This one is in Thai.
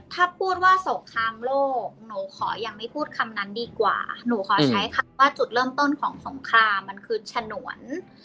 ถ้าพูดว่าสงครามโลกหนูขอยังไม่พูดคำนั้นดีกว่าหนูขอใช้คำว่าจุดเริ่มต้นของสงครามมันคือฉนวน